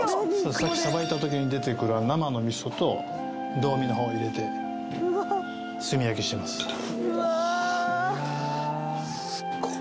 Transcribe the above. さっきさばいた時に出てくる生の味噌と胴身の方を入れて炭焼きしてます